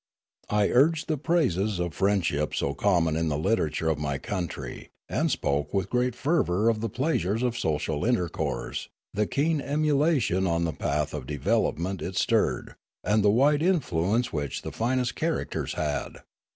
I urged the praises of friend ship so common in the literature of my country, and spoke with great fervour of the pleasures of social inter course, the keen emulation on the path of development it stirred, and the wide influence which the finest char acters had.